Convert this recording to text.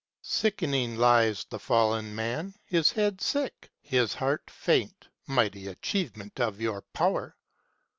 Sickening lies the Fallen Man, his head sick, his heart faint, Mighty achievement of your power